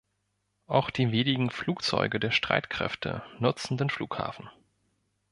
Auch die wenigen Flugzeuge der Streitkräfte nutzen den Flughafen.